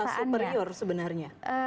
berarti bukan merasa superior sebenarnya